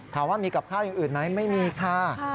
ถามว่ามีกับข้าวอย่างอื่นไหมไม่มีค่ะ